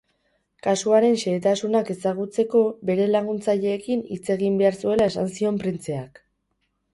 Kasuaren xehetasunak ezagutzeko bere laguntzaileekin hitz egin behar zuela esan zion printzeak.